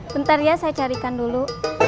bentar ya saya carikan dulu